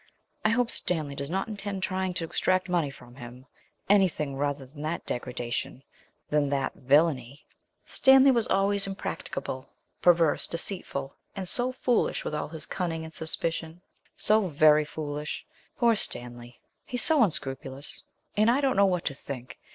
I hope Stanley does not intend trying to extract money from him; anything rather than that degradation than that villainy. Stanley was always impracticable, perverse, deceitful, and so foolish with all his cunning and suspicion so very foolish. Poor Stanley. He's so unscrupulous; I don't know what to think.